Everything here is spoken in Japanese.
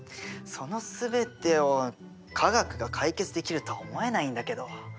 その全てを科学が解決できるとは思えないんだけど。